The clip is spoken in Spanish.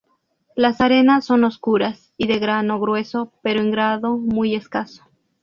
Las arenas son oscuras y de grano grueso pero en grado muy escaso.